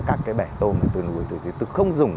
các cái bẻ tôm này tôi nuôi tôi không dùng